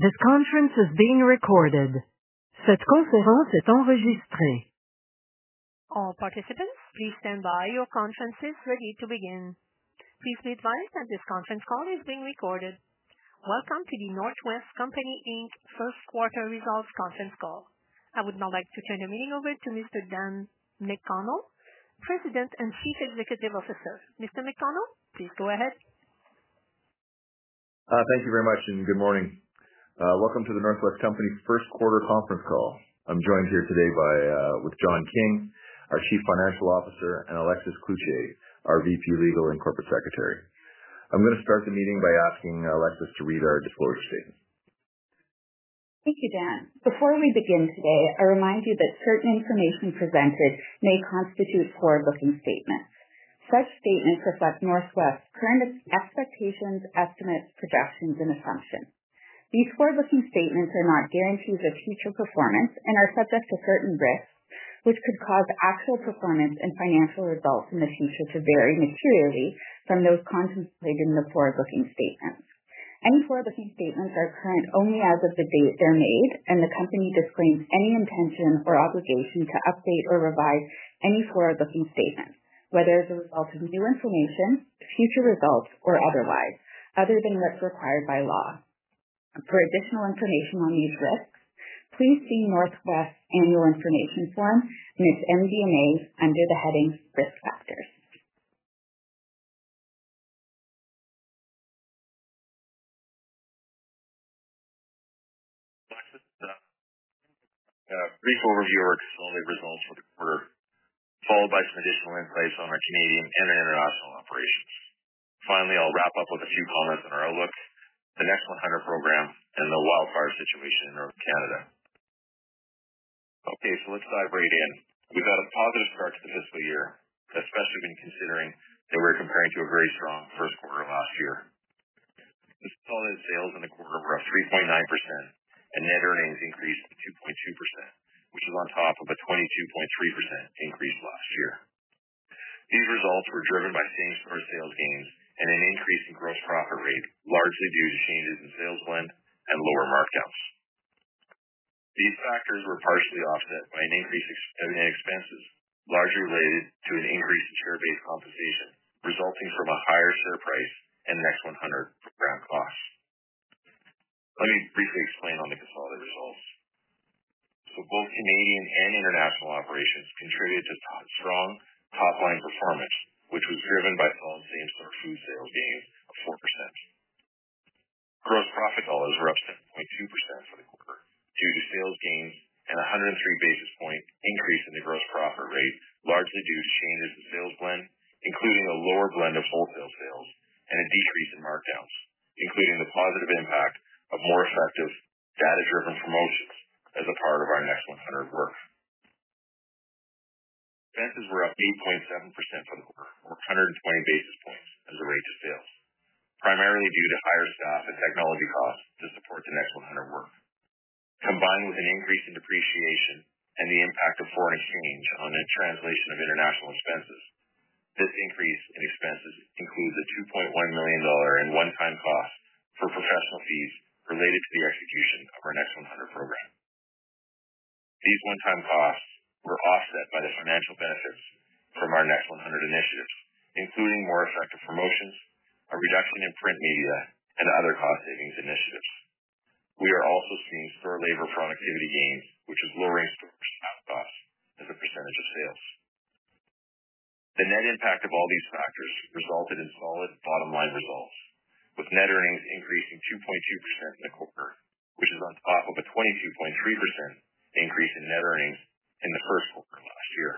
Stand by. Your conference is ready to begin. Please be advised that this conference call is being recorded. Welcome to the North West Company Inc first quarter results conference call. I would now like to turn the meeting over to Mr. Dan McConnell, President and Chief Executive Officer. Mr. McConnell, please go ahead. Thank you very much, and good morning. Welcome to the North West Company first quarter conference call. I'm joined here today with John King, our Chief Financial Officer, and Alexis Cloutier, our VP Legal and Corporate Secretary. I'm going to start the meeting by asking Alexis to read our disclosure statement. Thank you, Dan. Before we begin today, I remind you that certain information presented may constitute forward-looking statements. Such statements reflect North West's current expectations, estimates, projections, and assumptions. These forward-looking statements are not guarantees of future performance and are subject to certain risks, which could cause actual performance and financial results in the future to vary materially from those contemplated in the forward-looking statements. Any forward-looking statements are current only as of the date they're made, and the company disclaims any intention or obligation to update or revise any forward-looking statement, whether as a result of new information, future results, or otherwise, other than what's required by law. For additional information on these risks, please see North West's annual information form, and its MD&A under the headings Risk Factors. Alexis, a brief overview of our disclosure results for the quarter, followed by some additional insights on our Canadian and international operations. Finally, I'll wrap up with a few comments on our outlook, the Next 100 program, and the wildfire situation in Northern Canada. Okay, so let's dive right in. We've had a positive start to the fiscal year, especially when considering that we're comparing to a very strong first quarter last year. This has altered sales in the quarter of roughly 3.9%, and net earnings increased 2.2%, which is on top of a 22.3% increase last year. These results were driven by same-store sales gains and an increase in gross profit rate, largely due to changes in sales blend and lower markdowns. These factors were partially offset by an increase in expenses, largely related to an increase in share-based compensation resulting from a higher share price and Next 100 program costs. Let me briefly explain on the consolidated results. Both Canadian and international operations contributed to strong top-line performance, which was driven by some same-store food sales gains of 4%. Gross profit dollars were up 7.2% for the quarter due to sales gains and a 103 basis point increase in the gross profit rate, largely due to changes in sales blend, including a lower blend of wholesale sales and a decrease in markdowns, including the positive impact of more effective data-driven promotions as a part of our Next 100 work. Expenses were up 8.7% for the quarter, or 120 basis points as a rate of sales, primarily due to higher staff and technology costs to support the Next 100 work, combined with an increase in depreciation and the impact of foreign exchange on the translation of international expenses. This increase in expenses includes $2.1 million in one-time cost for professional fees related to the execution of our Next 100 program. These one-time costs were offset by the financial benefits from our Next 100 initiatives, including more effective promotions, a reduction in print media, and other cost-savings initiatives. We are also seeing store labor productivity gains, which is lowering store staff costs as a percentage of sales. The net impact of all these factors resulted in solid bottom-line results, with net earnings increasing 2.2% in the quarter, which is on top of a 22.3% increase in net earnings in the first quarter last year.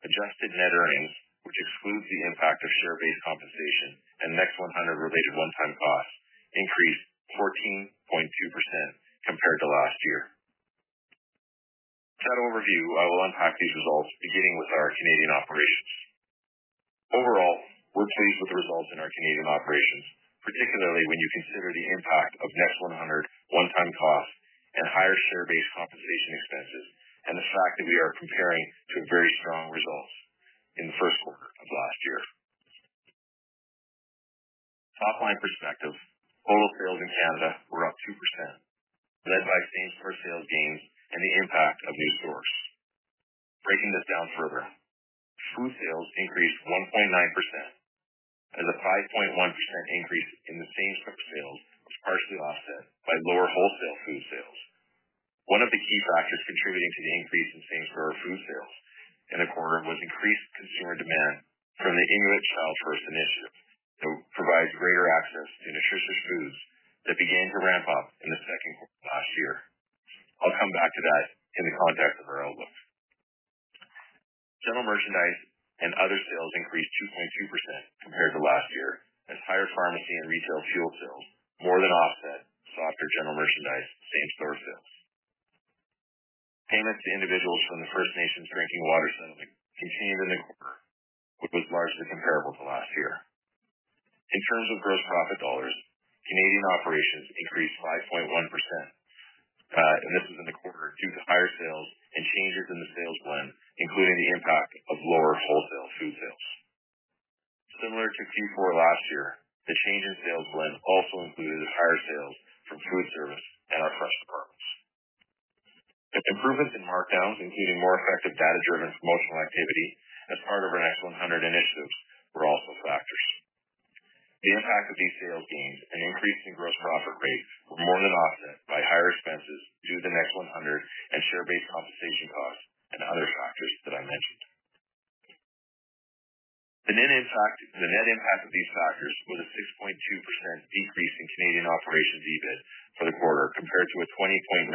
Adjusted net earnings, which excludes the impact of share-based compensation and Next 100-related one-time costs, increased 14.2% compared to last year. To that overview, I will unpack these results, beginning with our Canadian operations. Overall, we're pleased with the results in our Canadian operations, particularly when you consider the impact of Next 100, one-time costs, and higher share-based compensation expenses, and the fact that we are comparing to very strong results in the first quarter of last year. From a top-line perspective, total sales in Canada were up 2%, led by same-store sales gains and the impact of new stores. Breaking this down further, food sales increased 1.9%, as a 5.1% increase in the same-store sales was partially offset by lower wholesale food sales. One of the key factors contributing to the increase in same-store food sales in the quarter was increased consumer demand from the Inuit Child First Initiative that provides greater access to nutritious foods that began to ramp up in the second quarter last year. I'll come back to that in the context of our outlook. General merchandise and other sales increased 2.2% compared to last year, as higher pharmacy and retail fuel sales more than offset softer general merchandise same-store sales. Payments to individuals from the First Nations Drinking Water settlement continued in the quarter, which was largely comparable to last year. In terms of gross profit dollars, Canadian operations increased 5.1%, and this was in the quarter due to higher sales and changes in the sales blend, including the impact of lower wholesale food sales. Similar to Q4 last year, the change in sales blend also included higher sales from food service and our fresh departments. Improvements in markdowns, including more effective data-driven promotional activity as part of our Next 100 initiatives, were also factors. The impact of these sales gains and increase in gross profit rate were more than offset by higher expenses due to the Next 100 and share-based compensation costs and other factors that I mentioned. The net impact of these factors was a 6.2% decrease in Canadian operation EBIT for the quarter compared to a 20.9%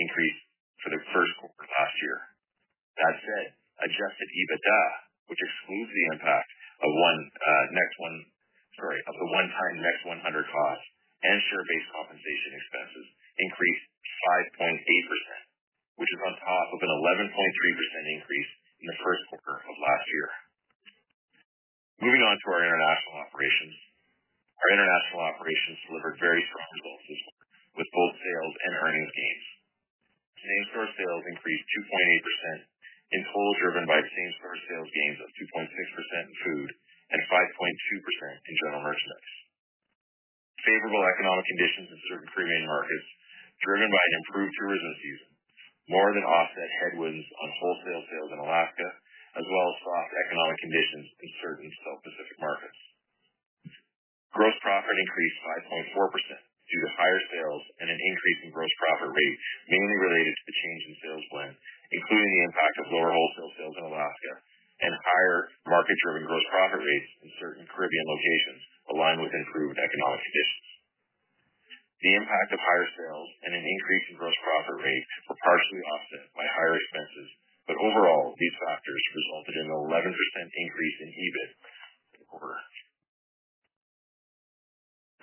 increase for the first quarter last year. That said, adjusted EBITDA, which excludes the impact of the one-time Next 100 costs and share-based compensation expenses, increased 5.8%, which is on top of an 11.3% increase in the first quarter of last year. Moving on to our international operations, our international operations delivered very strong results this quarter, with both sales and earnings gains. Same-store sales increased 2.8% in total driven by same-store sales gains of 2.6% in food and 5.2% in general merchandise. Favorable economic conditions in certain Caribbean markets driven by an improved tourism season more than offset headwinds on wholesale sales in Alaska, as well as soft economic conditions in certain South Pacific markets. Gross profit increased 5.4% due to higher sales and an increase in gross profit rate, mainly related to the change in sales blend, including the impact of lower wholesale sales in Alaska and higher market-driven gross profit rates in certain Caribbean locations aligned with improved economic conditions. The impact of higher sales and an increase in gross profit rate were partially offset by higher expenses, but overall, these factors resulted in an 11% increase in EBIT in the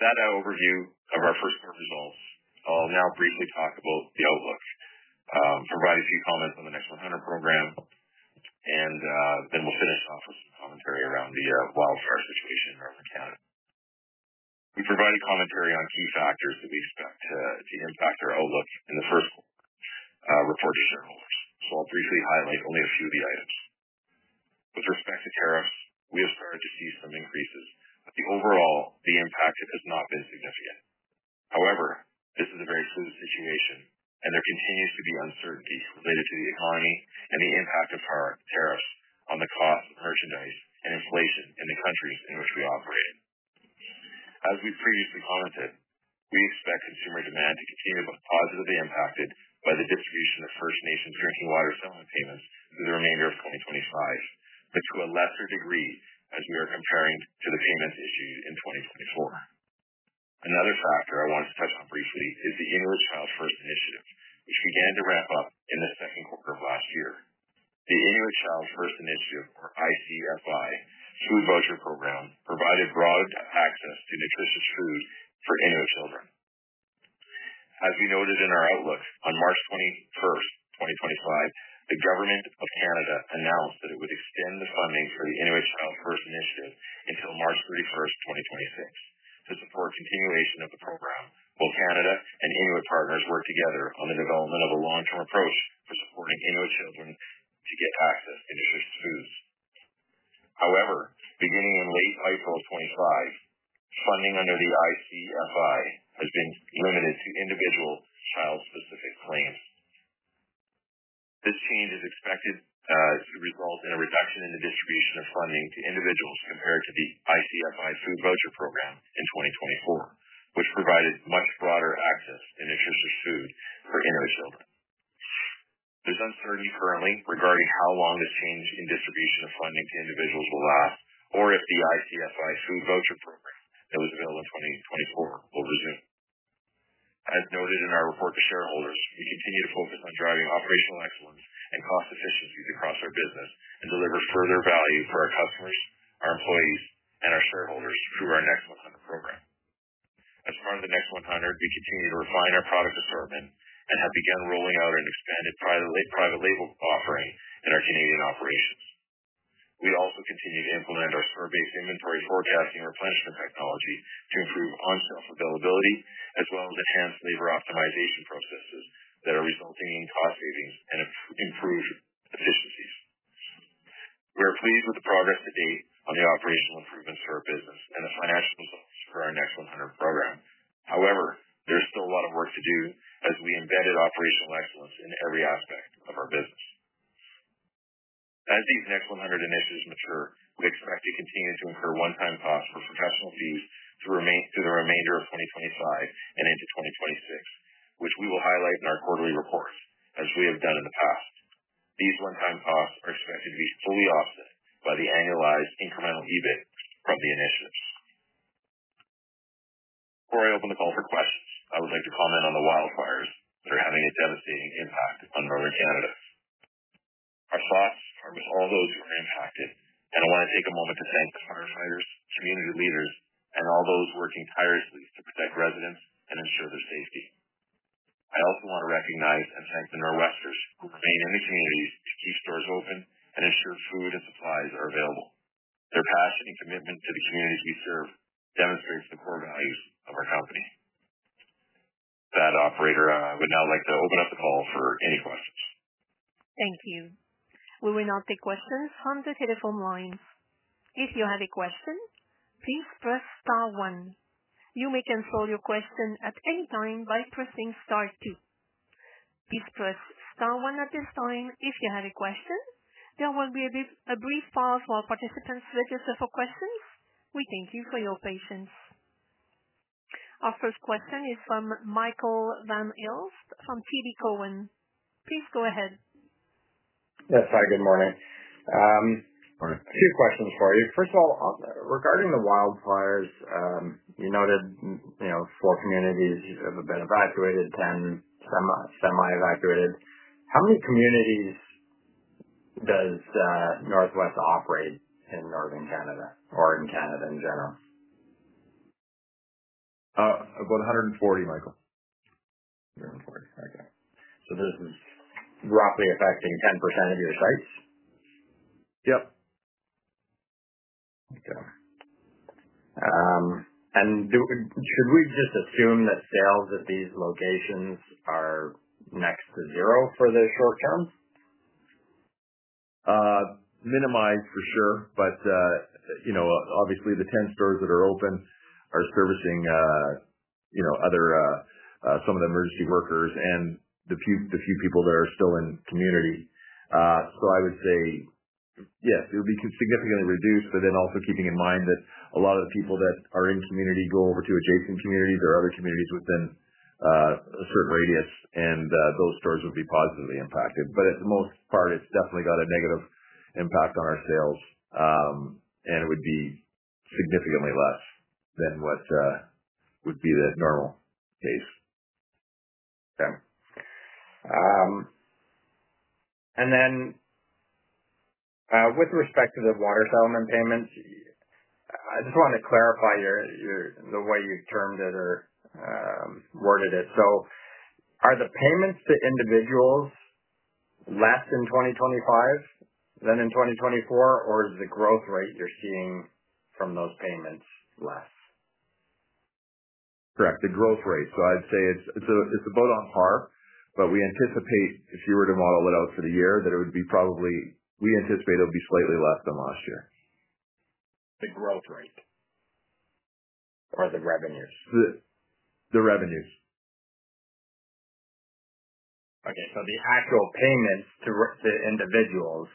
quarter. That overview of our first quarter results, I'll now briefly talk about the Outlook. I'll provide a few comments on the Next 100 program, and then we'll finish off with some commentary around the wildfire situation in Northern Canada. We provided commentary on key factors that we expect to impact our Outlook in the first quarter report to shareholders, so I'll briefly highlight only a few of the items. With respect to tariffs, we have started to see some increases, but overall, the impact has not been significant. However, this is a very fluid situation, and there continues to be uncertainty related to the economy and the impact of tariffs on the cost of merchandise and inflation in the countries in which we operate. As we previously commented, we expect consumer demand to continue to be positively impacted by the distribution of First Nations Drinking Water settlement payments through the remainder of 2025, but to a lesser degree as we are comparing to the payments issued in 2024. Another factor I wanted to touch on briefly is the Inuit Child First Initiative, which began to ramp up in the second quarter of last year. The Inuit Child First Initiative, or ICFI, food voucher program provided broad access to nutritious food for Inuit children. As we noted in our Outlook, on March 21st, 2025, the Government of Canada announced that it would extend the funding for the Inuit Child First Initiative until March 31st, 2026, to support continuation of the program while Canada and Inuit partners work together on the development of a long-term approach for supporting Inuit children to get access to nutritious foods. However, beginning in late April of 2025, funding under the ICFI has been limited to individual child-specific claims. This change is expected to result in a reduction in the distribution of funding to individuals compared to the ICFI food voucher program in 2024, which provided much broader access to nutritious food for Inuit children. There's uncertainty currently regarding how long this change in distribution of funding to individuals will last or if the ICFI food voucher program that was available in 2024 will resume. As noted in our report to shareholders, we continue to focus on driving operational excellence and cost efficiencies across our business and deliver further value for our customers, our employees, and our shareholders through our Next 100 program. As part of the Next 100, we continue to refine our product assortment and have begun rolling out an expanded private label offering in our Canadian operations. We also continue to implement our store-based inventory forecasting replenishment technology to improve on-shelf availability as well as enhance labor optimization processes that are resulting in cost savings and improved efficiencies. We are pleased with the progress to date on the operational improvements for our business and the financial results for our Next 100 program. However, there is still a lot of work to do as we embedded operational excellence in every aspect of our business. As these Next 100 initiatives mature, we expect to continue to incur one-time costs for professional fees through the remainder of 2025 and into 2026, which we will highlight in our quarterly reports as we have done in the past. These one-time costs are expected to be fully offset by the annualized incremental EBIT from the initiatives. Before I open the call for questions, I would like to comment on the wildfires that are having a devastating impact on Northern Canada. Our thoughts are with all those who are impacted, and I want to take a moment to thank the firefighters, community leaders, and all those working tirelessly to protect residents and ensure their safety. I also want to recognize and thank the Nor'Westers who remain in the communities to keep stores open and ensure food and supplies are available. Their passion and commitment to the communities we serve demonstrates the core values of our company. That operator, I would now like to open up the call for any questions. Thank you. We will now take questions from the telephone lines. If you have a question, please press Star one. You may cancel your question at any time by pressing Star two. Please press Star one at this time. If you have a question, there will be a brief pause while participants register for questions. We thank you for your patience. Our first question is from Michael Van Aelst from TD Cowen. Please go ahead. Yes, hi. Good morning. Two questions for you. First of all, regarding the wildfires, you noted four communities have been evacuated, 10 semi-evacuated. How many communities does North West operate in Northern Canada or in Canada in general? About 140, Michael. 140. Okay. This is roughly affecting 10% of your sites? Yep. Okay. Should we just assume that sales at these locations are next to zero for the short term? Minimized for sure, but obviously, the 10 stores that are open are servicing some of the emergency workers and the few people that are still in community. I would say, yes, it would be significantly reduced, but also keeping in mind that a lot of the people that are in community go over to adjacent communities or other communities within a certain radius, and those stores would be positively impacted. For the most part, it has definitely got a negative impact on our sales, and it would be significantly less than what would be the normal case. Okay. With respect to the water settlement payments, I just wanted to clarify the way you've termed it or worded it. Are the payments to individuals less in 2025 than in 2024, or is the growth rate you're seeing from those payments less? Correct. The growth rate. I'd say it's about on par, but we anticipate, if you were to model it out for the year, that it would be probably, we anticipate it would be slightly less than last year. The growth rate or the revenues? The revenues. Okay. The actual payments to individuals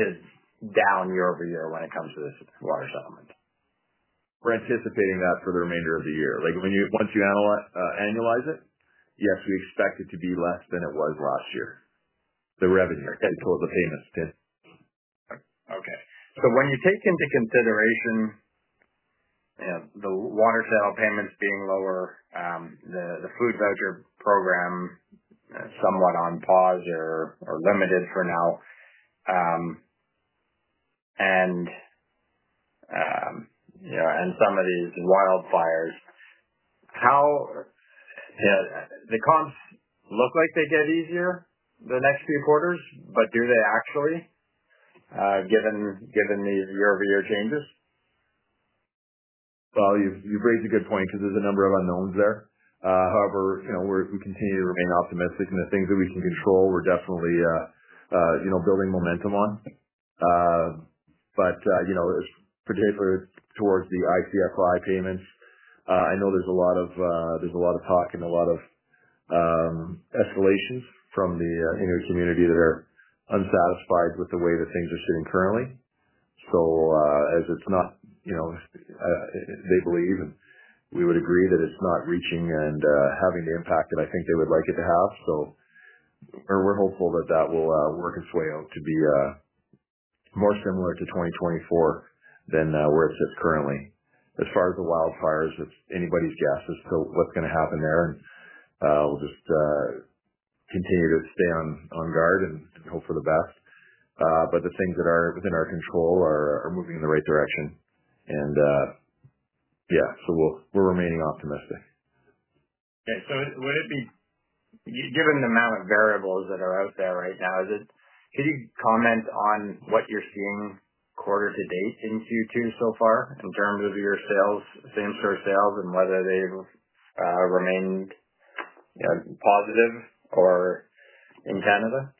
are down year over year when it comes to this water settlement? We're anticipating that for the remainder of the year. Once you annualize it, yes, we expect it to be less than it was last year, the revenue towards the payments did. Okay. When you take into consideration the water settlement payments being lower, the food voucher program somewhat on pause or limited for now, and some of these wildfires, the comps look like they get easier the next few quarters, but do they actually, given these year-over-year changes? You've raised a good point because there's a number of unknowns there. However, we continue to remain optimistic, and the things that we can control we're definitely building momentum on. Particularly towards the ICFI payments, I know there's a lot of talk and a lot of escalations from the Inuit community that are unsatisfied with the way that things are sitting currently. As it's not, they believe, and we would agree, that it's not reaching and having the impact that I think they would like it to have. We're hopeful that that will work its way out to be more similar to 2024 than where it sits currently. As far as the wildfires, it's anybody's guess as to what's going to happen there, and we'll just continue to stay on guard and hope for the best. The things that are within our control are moving in the right direction. Yeah, we're remaining optimistic. Okay. Given the amount of variables that are out there right now, could you comment on what you're seeing quarter to date in Q2 so far in terms of your sales, same-store sales, and whether they've remained positive in Canada?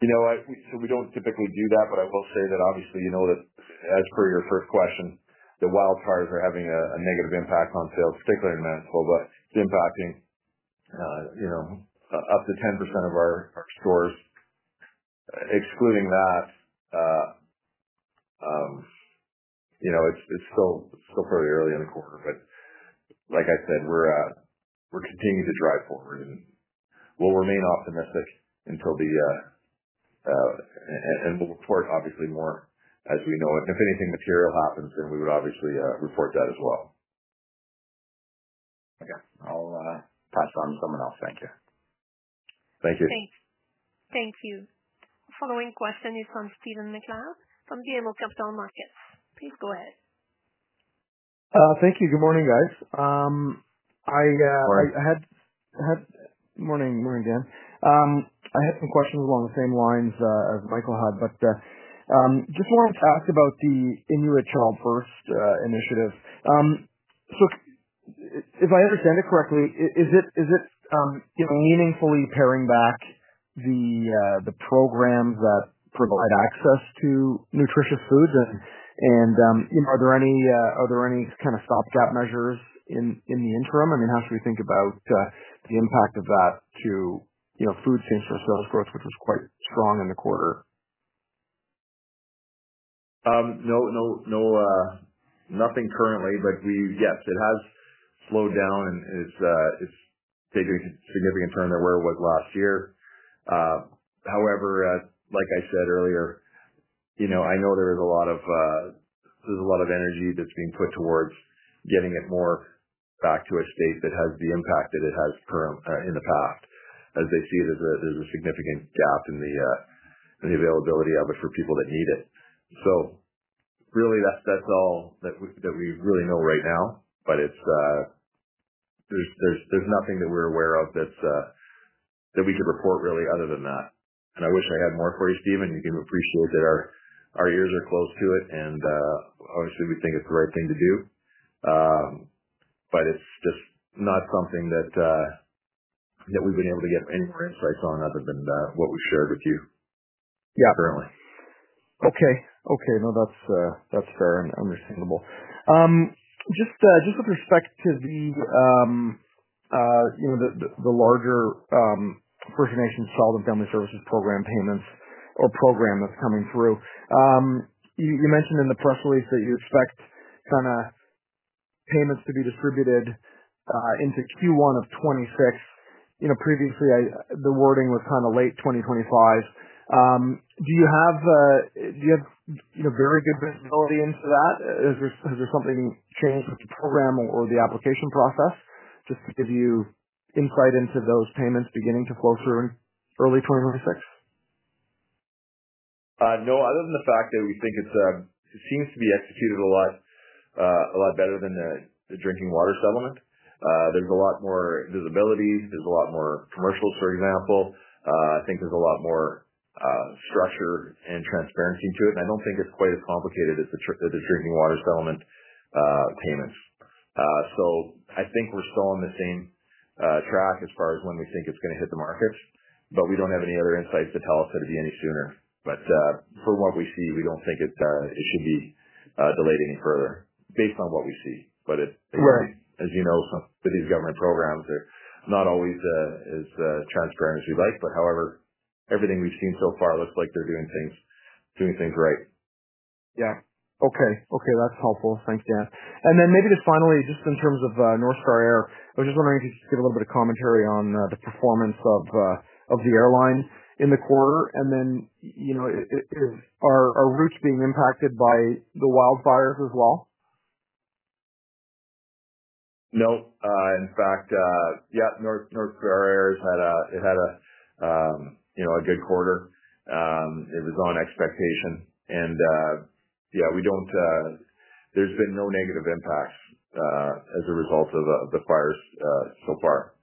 You know what? We do not typically do that, but I will say that obviously, as per your first question, the wildfires are having a negative impact on sales, particularly in Mansfield, but it is impacting up to 10% of our stores. Excluding that, it is still fairly early in the quarter, but like I said, we are continuing to drive forward and will remain optimistic until the end and we will report obviously more as we know it. If anything material happens, then we would obviously report that as well. Okay. I will pass it on to someone else. Thank you. Thank you. Thank you. The following question is from Stephen MacLeod from BMO Capital Markets. Please go ahead. Thank you. Good morning, guys. Good morning, Dan. I had some questions along the same lines as Michael had, but just wanted to ask about the ICFI. If I understand it correctly, is it meaningfully paring back the programs that provide access to nutritious foods? Are there any kind of stopgap measures in the interim? I mean, how should we think about the impact of that to food, same-store sales growth, which was quite strong in the quarter? Nothing currently, but yes, it has slowed down and it's taken a significant turn to where it was last year. However, like I said earlier, I know there is a lot of energy that's being put towards getting it more back to a state that has the impact that it has in the past, as they see there's a significant gap in the availability of it for people that need it. Really, that's all that we really know right now, but there's nothing that we're aware of that we could report really other than that. I wish I had more for you, Stephen, and you can appreciate that our ears are close to it, and obviously, we think it's the right thing to do. It's just not something that we've been able to get any more insights on other than what we've shared with you currently. Okay. Okay. No, that's fair and understandable. Just with respect to the larger First Nations Child and Family Services Program payments or program that's coming through, you mentioned in the press release that you expect kind of payments to be distributed into Q1 of 2026. Previously, the wording was kind of late 2025. Do you have very good visibility into that? Has there something changed with the program or the application process just to give you insight into those payments beginning to flow through in early 2026? No, other than the fact that we think it seems to be executed a lot better than the drinking water settlement. There is a lot more visibility. There is a lot more commercials, for example. I think there is a lot more structure and transparency to it, and I do not think it is quite as complicated as the drinking water settlement payments. I think we are still on the same track as far as when we think it is going to hit the markets, but we do not have any other insights to tell us that it would be any sooner. From what we see, we do not think it should be delayed any further based on what we see. As you know, some of these government programs, they're not always as transparent as we'd like. However, everything we've seen so far looks like they're doing things right. Yeah. Okay. Okay. That's helpful. Thanks, Dan. Maybe just finally, just in terms of North Star Air, I was just wondering if you could just give a little bit of commentary on the performance of the airline in the quarter. Are routes being impacted by the wildfires as well? No. In fact, yeah, North Star Air, it had a good quarter. It was on expectation. Yeah, there's been no negative impacts as a result of the fires so far.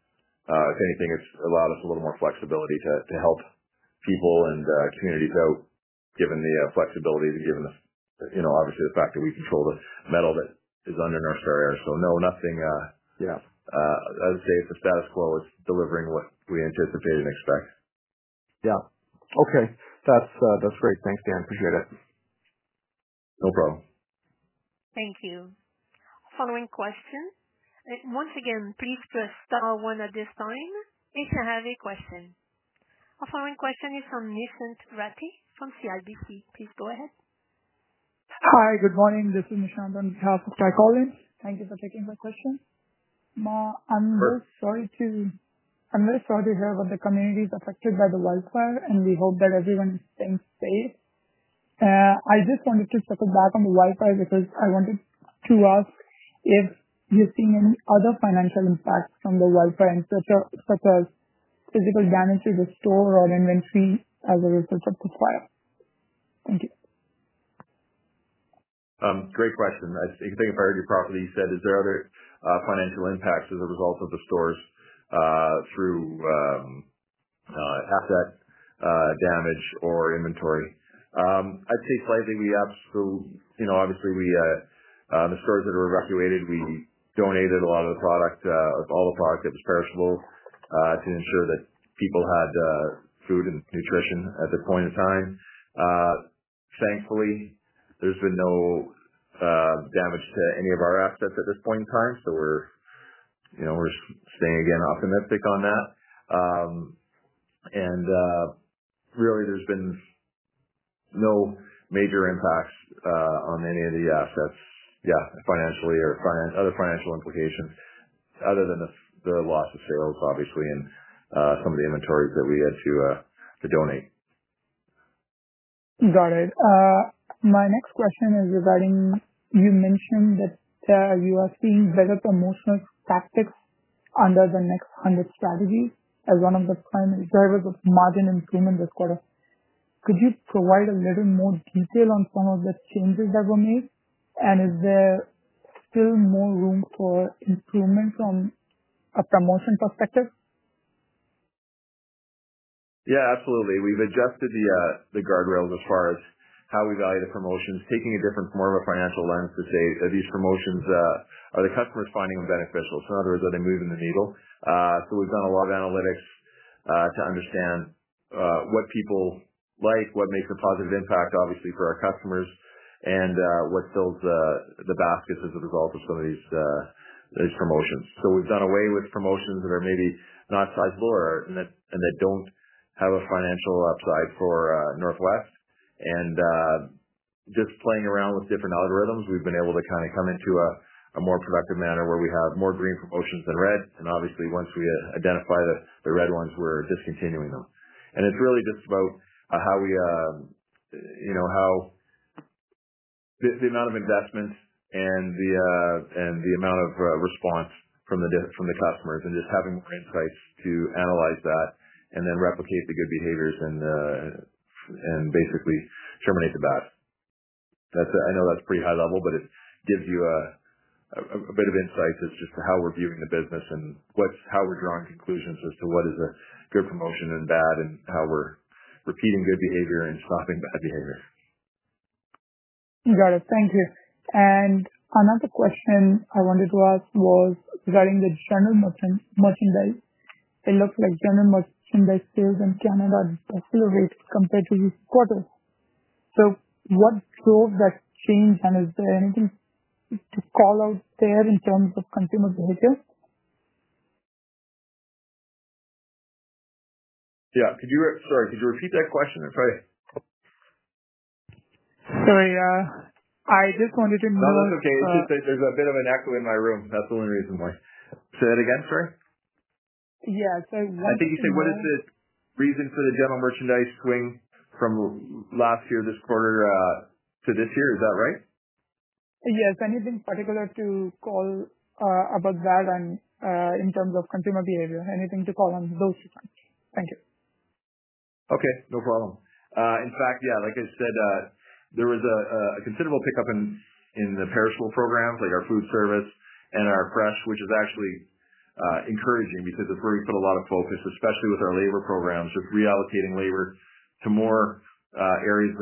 If anything, it's allowed us a little more flexibility to help people and communities out, given the flexibility and given obviously the fact that we control the metal that is under North Star Air. No, I would say it's a status quo. It's delivering what we anticipate and expect. Yeah. Okay. That's great. Thanks, Dan. Appreciate it. No problem. Thank you. Following question. Once again, please press Star one at this time if you have a question. Our following question is from Nishant Rathi from CIBC. Please go ahead. Hi. Good morning. This is Nishant from CIBC. Thank you for taking my question. I'm very sorry to hear about the communities affected by the wildfire, and we hope that everyone is staying safe. I just wanted to circle back on the wildfire because I wanted to ask if you've seen any other financial impacts from the wildfire, such as physical damage to the store or inventory as a result of the fire. Thank you. Great question. I think if I heard you properly, you said, "Is there other financial impacts as a result of the stores through asset damage or inventory?" I'd say slightly. Obviously, the stores that were evacuated, we donated a lot of the product, all the product that was perishable, to ensure that people had food and nutrition at that point in time. Thankfully, there's been no damage to any of our assets at this point in time, so we're staying, again, optimistic on that. Really, there's been no major impacts on any of the assets, yeah, financially or other financial implications other than the loss of sales, obviously, and some of the inventories that we had to donate. Got it. My next question is regarding you mentioned that you are seeing better promotional tactics under the Next 100 strategies as one of the primary drivers of margin improvement this quarter. Could you provide a little more detail on some of the changes that were made, and is there still more room for improvement from a promotion perspective? Yeah, absolutely. We've adjusted the guardrails as far as how we value the promotions, taking a different, more of a financial lens to say, "Are these promotions, are the customers finding them beneficial?" In other words, are they moving the needle? We've done a lot of analytics to understand what people like, what makes a positive impact, obviously, for our customers, and what fills the baskets as a result of some of these promotions. We've done away with promotions that are maybe not sizable and that do not have a financial upside for North West. Just playing around with different algorithms, we've been able to kind of come into a more productive manner where we have more green promotions than red. Obviously, once we identify the red ones, we're discontinuing them. It is really just about the amount of investment and the amount of response from the customers and just having more insights to analyze that and then replicate the good behaviors and basically terminate the bad. I know that's pretty high level, but it gives you a bit of insight as to how we're viewing the business and how we're drawing conclusions as to what is a good promotion and bad and how we're repeating good behavior and stopping bad behavior. Got it. Thank you. Another question I wanted to ask was regarding the general merchandise. It looks like general merchandise sales in Canada are still rates compared to this quarter. What drove that change, and is there anything to call out there in terms of consumer behavior? Yeah. Sorry, could you repeat that question? Sorry. I just wanted to know. No, that's okay. It's just that there's a bit of an echo in my room. That's the only reason why. Say that again, sorry? Yeah.What is the? I think you said, "What is the reason for the general merchandise swing from last year, this quarter, to this year?" Is that right? Yes. Anything particular to call about that in terms of consumer behavior? Anything to call on those two points? Thank you. Okay. No problem. In fact, like I said, there was a considerable pickup in the perishable programs, like our food service and our fresh, which is actually encouraging because it's where we put a lot of focus, especially with our labor programs, just reallocating labor to more areas,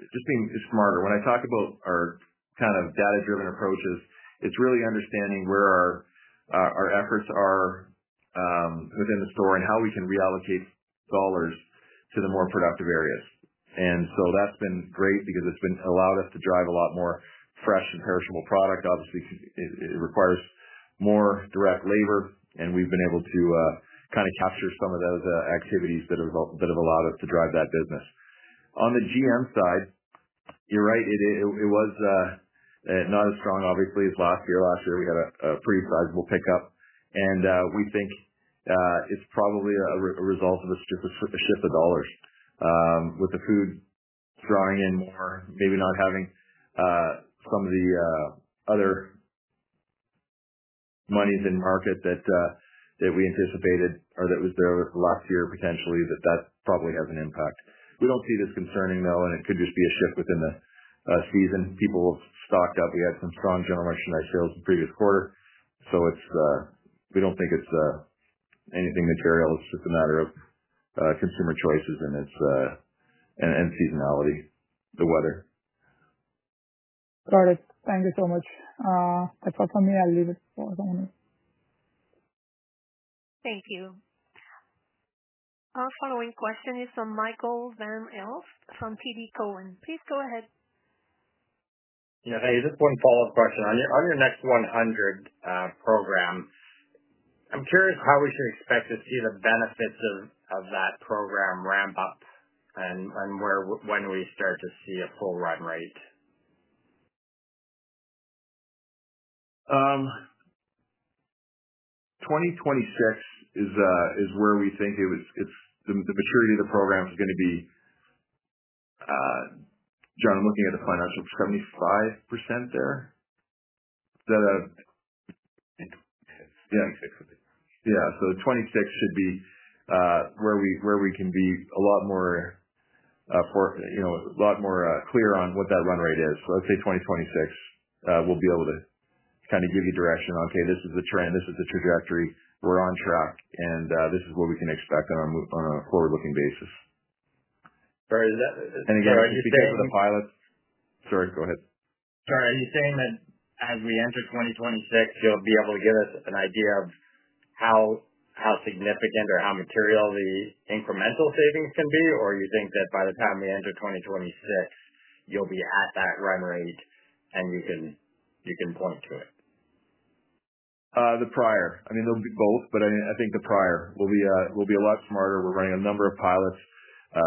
just being smarter. When I talk about our kind of data-driven approaches, it's really understanding where our efforts are within the store and how we can reallocate dollars to the more productive areas. That has been great because it's allowed us to drive a lot more fresh and perishable product. Obviously, it requires more direct labor, and we've been able to kind of capture some of those activities that have allowed us to drive that business. On the GM side, you're right. It was not as strong, obviously, as last year. Last year, we had a pretty sizable pickup, and we think it's probably a result of a shift of dollars with the food drawing in more, maybe not having some of the other monies in market that we anticipated or that was there last year, potentially, that that probably has an impact. We do not see this concerning, though, and it could just be a shift within the season. People have stocked up. We had some strong general merchandise sales the previous quarter, so we do not think it is anything material. It is just a matter of consumer choices and seasonality, the weather. Got it. Thank you so much. That is all from me. I will leave it for someone else. Thank you. Our following question is from Michael Van Aelst from TD Cowen. Please go ahead. Yeah. Hey, just one follow-up question. On your Next 100 program, I am curious how we should expect to see the benefits of that program ramp up and when we start to see a full run rate. 2026 is where we think the maturity of the program is going to be. John, I am looking at the financial. 75% there. Is that a? Yeah. Yeah. Twenty twenty-six should be where we can be a lot more clear on what that run rate is. I'd say twenty twenty-six, we'll be able to kind of give you direction on, "Okay, this is the trend. This is the trajectory. We're on track, and this is what we can expect on a forward-looking basis." Again, just because of the pilot—sorry, go ahead. Sorry. Are you saying that as we enter twenty twenty-six, you'll be able to give us an idea of how significant or how material the incremental savings can be, or you think that by the time we enter twenty twenty-six, you'll be at that run rate and you can point to it? The prior. I mean, they'll be both, but I think the prior will be a lot smarter. We're running a number of pilots.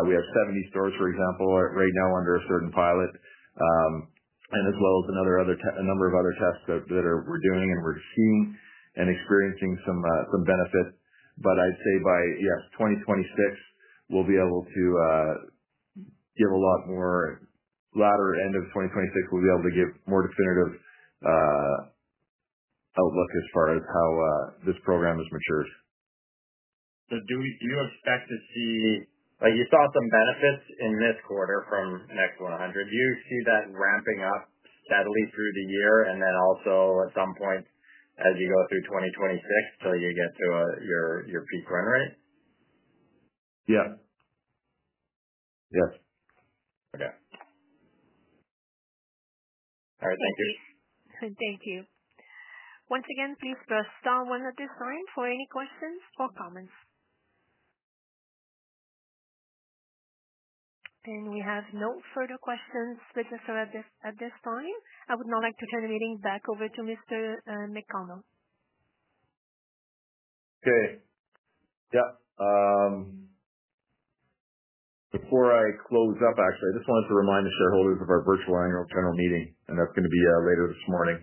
We have 70 stores, for example, right now under a certain pilot, as well as a number of other tests that we're doing, and we're seeing and experiencing some benefit. I'd say by, yes, 2026, we'll be able to give a lot more, latter end of 2026, we'll be able to give more definitive outlook as far as how this program has matured. Do you expect to see, you saw some benefits in this quarter from Next 100. Do you see that ramping up steadily through the year and then also at some point as you go through 2026 till you get to your peak run rate? Yeah. Yes. Okay. All right. Thank you. Thank you. Once again, please press Star one at this time for any questions or comments. We have no further questions with us at this time. I would now like to turn the meeting back over to Mr. McConnell. Okay. Yeah. Before I close up, actually, I just wanted to remind the shareholders of our virtual annual general meeting, and that's going to be later this morning.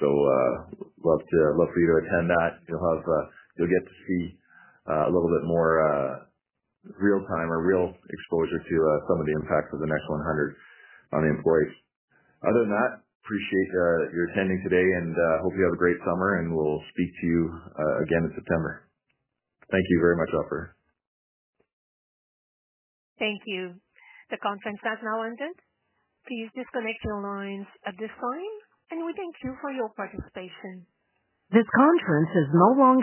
I'd love for you to attend that. You'll get to see a little bit more real-time or real exposure to some of the impacts of the Next 100 on the employees. Other than that, appreciate your attending today and hope you have a great summer, and we'll speak to you again in September. Thank you very much. Thank you. The conference has now ended. Please disconnect your lines at this time, and we thank you for your participation. This conference is no longer.